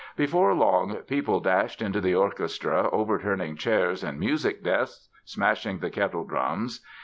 Before long people dashed into the orchestra, overturning chairs and music desks, smashing the kettledrums.